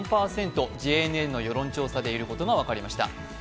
ＪＮＮの世論調査で、いることが分かりました。